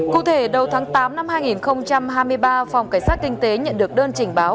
cụ thể đầu tháng tám năm hai nghìn hai mươi ba phòng cảnh sát kinh tế nhận được đơn trình báo